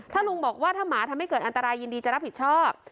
ถ้าลุงบอกว่าถ้าหมาทำให้เกิดอันตรายยินดีจะรับผิดชอบ